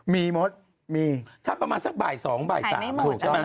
มีหมดถ้าประมาณสักบ่ายสองบ่ายสามถูกถูก